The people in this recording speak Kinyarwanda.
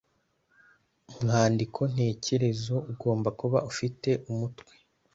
Umwandiko ntekerezo ugomba kuba ufite umutwe